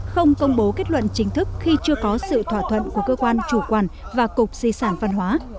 không công bố kết luận chính thức khi chưa có sự thỏa thuận của cơ quan chủ quản và cục di sản văn hóa